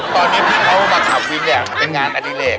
ตอนนี้ถ้าเขามาขับวิ่งเนี่ยเป็นงานอดิเรก